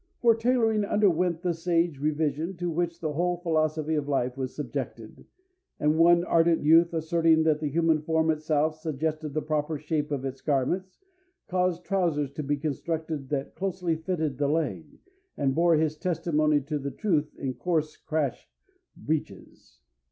For tailoring underwent the sage revision to which the whole philosophy of life was subjected, and one ardent youth, asserting that the human form itself suggested the proper shape of its garments, caused trousers to be constructed that closely fitted the leg, and bore his testimony to the truth in coarse crash breeches.